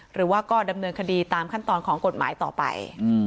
หรือว่าก็ดำเนินคดีตามขั้นตอนของกฎหมายต่อไป